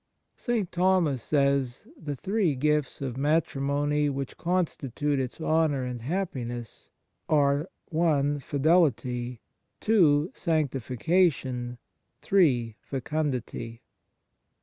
St. Thomas says the three gifts of matri mony which constitute its honour and happiness are (i) fidelity, (2) sanctifica tion, (3) fecundity.